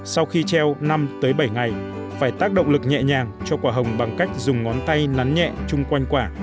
sau khi treo năm tới bảy ngày phải tác động lực nhẹ nhàng cho quả hồng bằng cách dùng ngón tay nắn nhẹ chung quanh quả